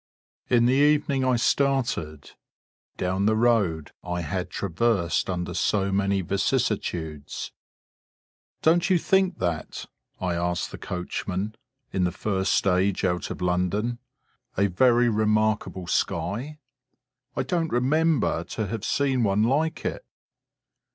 In the evening I started, ... down the road I had traversed under so many vicissitudes. "Don't you think that," I asked the coachman, in the first stage out of London, "a very remarkable sky? I don't remember to have seen one like it."